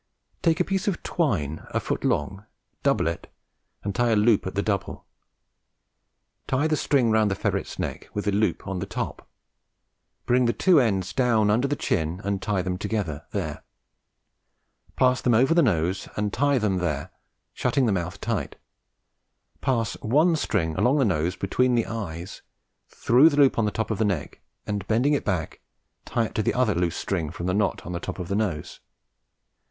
Take a piece of twine a foot long, double it, and tie a loop at the double. Tie the string round the ferret's neck, with the loop on the top; bring the two ends down under the chin and tie them together there; pass them over the nose and tie them there, shutting the mouth tight; pass one string along the nose, between the eyes, through the loop on the top of the neck, and bending it back, tie it to the other loose string from the knot on the top of the nose.